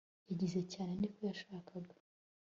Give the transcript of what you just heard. yakize cyane, niko yashakaga